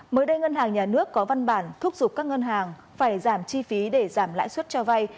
mới đây ngân hàng nhà nước có văn bản thúc giục các ngân hàng phải giảm chi phí để giảm lãi suất cho vay